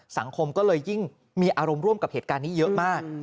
สังคมก็เลยยิ่งมีอารมณ์ร่วมกับเหตุการณ์นี้เยอะมาก